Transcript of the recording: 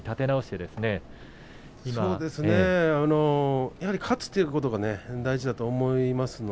そうですね、やはり勝つということが大事だと思います。